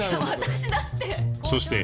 私だって。